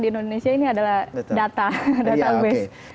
karena permasalahan di indonesia ini adalah data